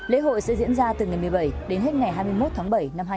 lễ hội sẽ diễn ra từ ngày một mươi bảy đến hết ngày hai mươi một tháng bảy